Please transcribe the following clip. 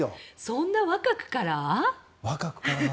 そんな若くから？